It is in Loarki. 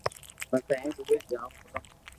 پسو ھين ايوي جاوو پرو